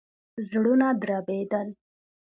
زړونه دربېدل.